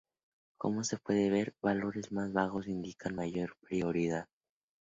Como se puede ver, valores más bajos indican mayor prioridad.